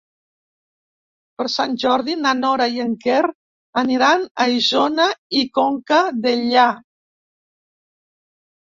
Per Sant Jordi na Nora i en Quer aniran a Isona i Conca Dellà.